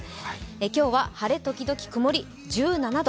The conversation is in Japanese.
今日は晴れ時々曇り、１７度。